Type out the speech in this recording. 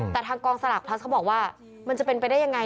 แต่ทางกองสลากพลัสเขาบอกว่ามันจะเป็นไปได้ยังไง